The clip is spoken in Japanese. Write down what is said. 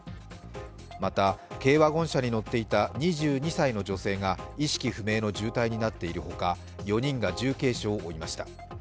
また、軽ワゴン車に乗っていた２２歳の女性が意識不明の渋滞になっているほか４人が重軽傷を負いました。